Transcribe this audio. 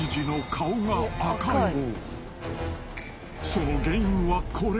［その原因はこれ］